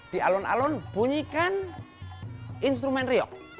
di alun alun bunyikan instrumen riok